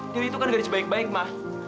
dewi itu kan gak ada sebaik baik ma